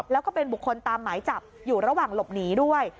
แล้วก็เป็นบุคคลตามหมายจับอยู่ระหว่างหลบหนีด้วย